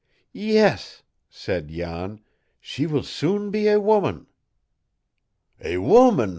"Yes," said Jan. "She will soon be a woman." "A woman!"